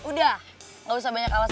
udah gak usah banyak alasan